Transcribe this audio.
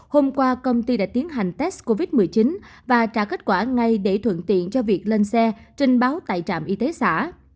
hôm qua công ty đã tiến hành test covid một mươi chín và trả kết quả ngay để thuận tiện cho việc lên xe trình báo tại trạm y tế xã